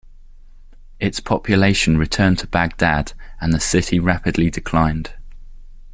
Its population returned to Baghdad and the city rapidly declined.